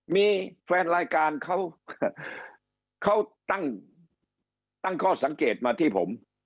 มีแฟนรายการเขาตั้งข้อสังเกตมาที่ผม